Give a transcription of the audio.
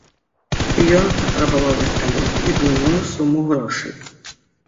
Ён патрабаваў верталёт і буйную суму грошай.